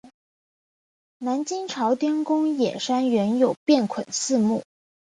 南京朝天宫冶山原有卞壸祠墓。